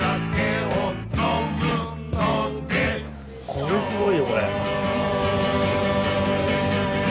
これすごいよこれ。